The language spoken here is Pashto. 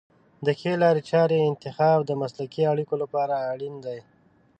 د ښې لارې چارې انتخاب د مسلکي اړیکو لپاره اړین دی.